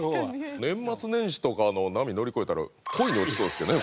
年末年始とかの波乗り越えたら恋に落ちそうですけどね